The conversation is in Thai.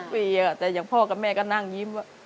ปีแต่อย่างพ่อกับแม่ก็นั่งยิ้ม